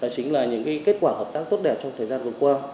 chính là những kết quả hợp tác tốt đẹp trong thời gian vừa qua